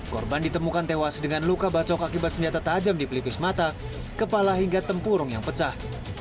korban ditemukan tewas dengan luka bacok akibat senjata tajam di pelipis mata kepala hingga tempurung yang pecah